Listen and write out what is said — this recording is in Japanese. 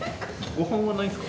ご飯はないんですか？